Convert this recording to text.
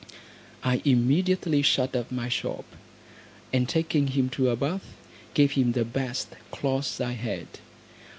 I immediately shut up my shop, and taking him to a bath, gave him the best clothes I had.